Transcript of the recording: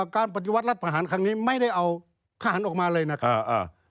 การปฏิวัติรัฐประหารครั้งนี้ไม่ได้เอาทหารออกมาเลยนะครับ